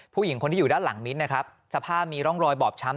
ผู้หญิงคนที่อยู่ด้านหลังมิ้นนะครับสภาพมีร่องรอยบอบช้ำ